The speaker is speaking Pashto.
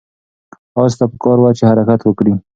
آس ته پکار وه چې حرکت وکړي.